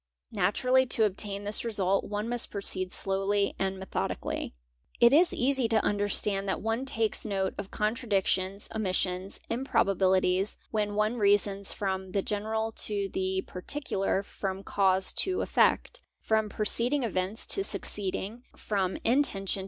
Naturally to obtain this resu one must proceed slowly and methodically. | It is easy to understand that one takes note of contradictions, omi: sions, improbabilities, when one reasons from the general to the parti cular, from cause to effect, from preceeding events to succeeding, from intention.